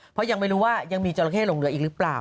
เพราะยังไม่รู้ว่ายังมีจราเข้หลงเหลืออีกหรือเปล่า